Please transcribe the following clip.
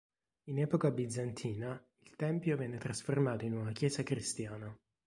In epoca bizantina il tempio venne trasformato in una chiesa cristiana.